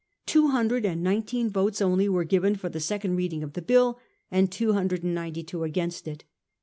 Two hundred and nineteen votes only were given for the second reading of the bill, and 292 against it.